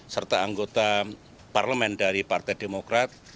serta anggota parlemen dari partai demokrat